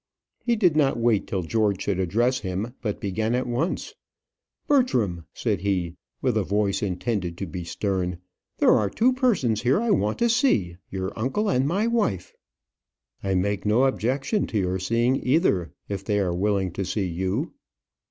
He did not wait till George should address him, but began at once: "Bertram," said he, with a voice intended to be stern, "there are two persons here I want to see, your uncle and my wife." "I make no objection to your seeing either, if they are willing to see you."